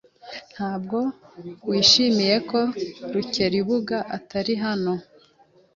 Ntabwo wishimiye ko Rukeribuga atari hano?